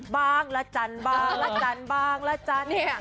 บ้างละจันบ้างละจันบ้างละจันเนี้ย